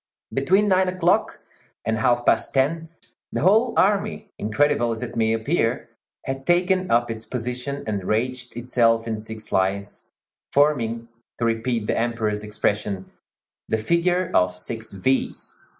Between nine o'clock and half past ten the whole army, incredible as it may appear, had taken up its position and ranged itself in six lines, forming, to repeat the Emperor's expression, "the figure of six V's."